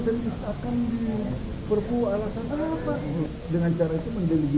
tapi kan perpu juga konstitusional juga pak